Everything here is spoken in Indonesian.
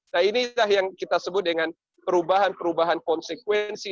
nah inilah yang kita sebut dengan perubahan perubahan konsekuensi